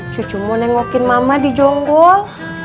cucu mau nengokin mama di jonggol